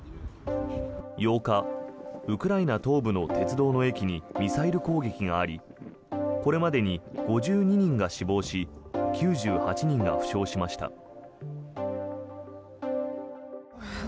８日ウクライナ東部の鉄道の駅にミサイル攻撃がありこれまでに５２人が死亡し９８人が負傷しました。